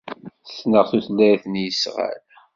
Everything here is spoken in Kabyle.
Ssneɣ tutlayt n yisɣal.